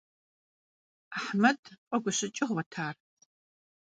Ахьмэд фӀэгущыкӀыгъуэт ар.